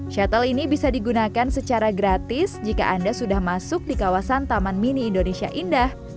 shuttle ini bisa digunakan secara gratis jika anda sudah masuk di kawasan taman mini indonesia indah